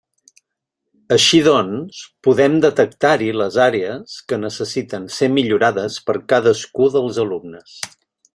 Així doncs, podem detectar-hi les àrees que necessiten ser millorades per cadascú dels alumnes.